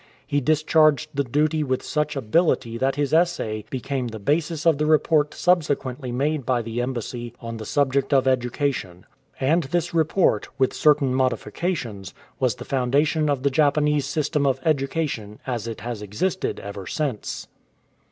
""* He discharged the duty with such ability that his essay became the basis of the report sub sequently made by the embassy on the subject of educa tion. And this report, with certain modifications, was the foundation of the Japanese system of education as it has existed ever since.